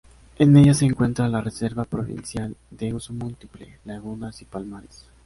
En ella se encuentra la Reserva Provincial de Uso Múltiple Lagunas y Palmares.